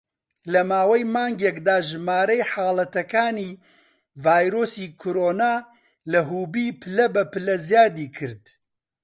لە ماوەی مانگێکدا، ژمارەی حاڵەتەکانی ڤایرۆسی کۆرۆنا لە هوبی پلە بە پلە زیادی کرد.